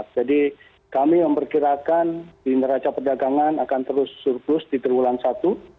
jadi kami memperkirakan neraca perdagangan akan terus surplus di tergulang satu